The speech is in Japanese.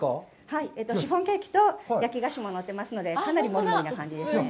シフォンケーキと焼き菓子も乗ってますので、かなりもりもりな感じですね。